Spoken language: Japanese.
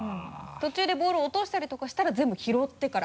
途中でボールを落としたりとかしたら全部拾ってから。